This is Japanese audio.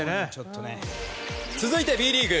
続いて、Ｂリーグ。